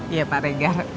iya pak regar